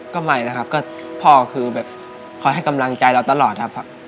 ก็ไม่นะครับก็พ่อคือแบบคอยให้กำลังใจเราตลอดครับ